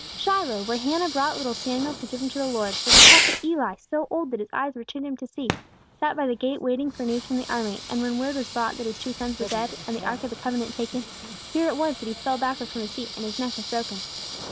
Shiloh, where Hannah brought little Samuel to give him to the Lord; where the Prophet Eli, so old that his eyes were too dim to see, sat by the gate waiting for news from the army, and when word was brought back that his two sons were dead, and the Ark of the Covenant taken, here it was that he fell backward from his seat, and his neck was broken.